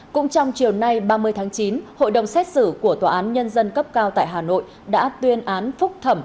cũng trong chiều nay ba mươi tháng chín hội đồng xét xử của tòa án nhân dân cấp cao tại hà nội đã tuyên án phúc thẩm